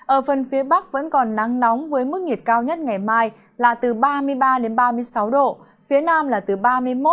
ở phần phía bắc vẫn còn nắng nóng với mức nhiệt cao nhất ngày mai là từ ba mươi ba ba mươi sáu độ phía nam là từ ba mươi một ba mươi ba độ